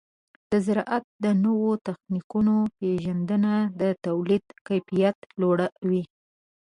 د زراعت د نوو تخنیکونو پیژندنه د تولید کیفیت لوړوي.